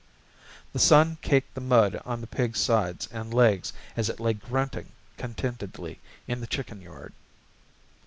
The sun caked the mud on the pig's sides and legs as it lay grunting contentedly in the chicken yard.